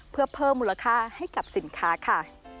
เพื่อเพิ่มมูลค่าให้กับสินค้าค่ะ